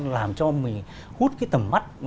làm cho mình hút cái tầm mắt